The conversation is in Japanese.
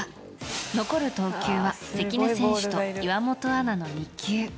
残る投球は関根選手と岩本アナの２球。